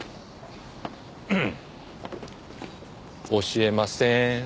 教えません。